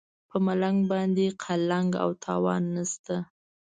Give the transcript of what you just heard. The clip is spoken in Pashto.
په ملنګ باندې قلنګ او تاوان نشته.